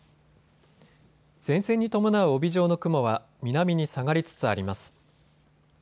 前線に伴う帯状の雲は南に下がりつつあります。